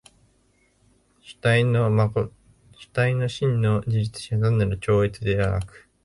主体の真の自律性は単なる超越でなく、